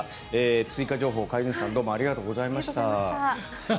追加情報、飼い主さんどうもありがとうございました。